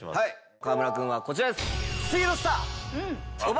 河村君はこちらです。